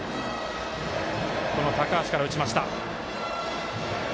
高橋から打ちました。